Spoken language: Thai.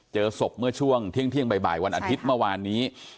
เจอศพเมื่อช่วงเที่ยงเที่ยงบ่ายบ่ายวันอาทิตย์เมื่อวานนี้ใช่ค่ะ